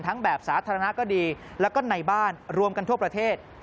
แบบสาธารณะก็ดีแล้วก็ในบ้านรวมกันทั่วประเทศ